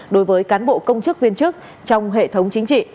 đối với cán bộ công chức viên chức trong hệ thống chính trị